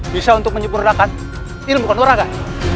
bisa untuk menyempurnakan ilmu kanurangan